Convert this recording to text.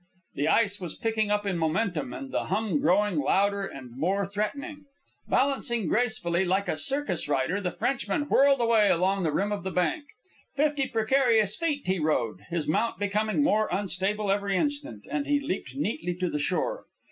The ice was picking up in momentum, and the hum growing louder and more threatening. Balancing gracefully, like a circus rider, the Frenchman whirled away along the rim of the bank. Fifty precarious feet he rode, his mount becoming more unstable every instant, and he leaped neatly to the shore.